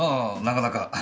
なかなか。